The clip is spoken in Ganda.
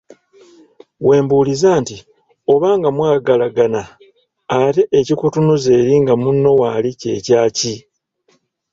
Wembuuliza nti, oba nga mwagalagana ate ekikutunuza eri nga munno waali kye kyaki?